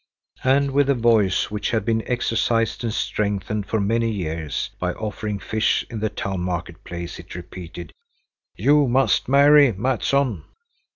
And with a voice which had been exercised and strengthened for many years by offering fish in the town marketplace, it repeated: "You must marry, Mattsson."